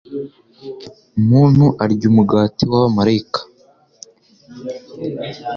muntu arya umugati w’abamalayika